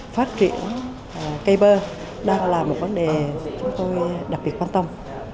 phát triển cây bơ đang là một vấn đề chúng tôi đặc biệt quan tâm